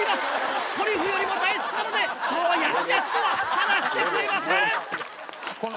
トリュフよりも大好きなのでそうやすやすとは離してくれません。